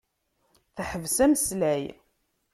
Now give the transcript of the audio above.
Teḥbes ameslay.